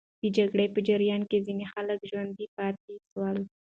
د جګړې په جریان کې ځینې خلک ژوندي پاتې سول.